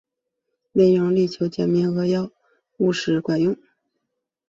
内容力求简明扼要、务实管用